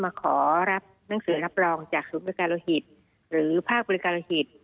มาขอรับหนังสือรับรองจากศูนย์บริการโลหิตหรือภาคบริการโลหิต